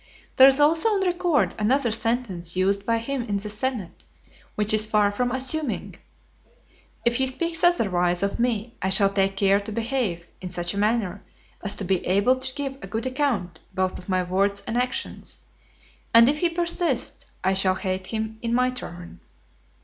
There is also on record another sentence used by him in the senate, which is far from assuming: "If he speaks otherwise of me, I shall take care to behave in such a manner, as to be able to give a good account both of my words and actions; and if he persists, I shall hate him in my turn."